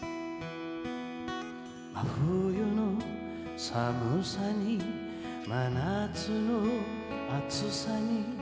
「真冬の寒さに真夏の暑さに」